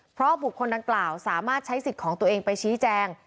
เพราะบุคคลดังกล่าวสามารถใช้สิทธิ์ของตัวเองไปชี้แจง